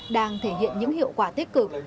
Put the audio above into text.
đang thể hiện những hiệu quả tích cực